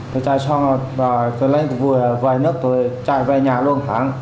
tôi chạy xong rồi rồi tôi lên tôi vừa về nước tôi chạy về nhà luôn